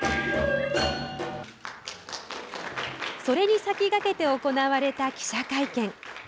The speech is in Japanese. それに先駆けて行われた記者会見。